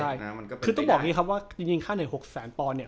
อ่ามันก็เป็นไม่ได้คือต้องบอกอย่างงี้ครับว่าจริงจริงค่าเหนื่อยหกแสนปอร์เนี้ย